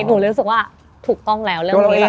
หนูรู้สึกว่าถูกต้องแล้ว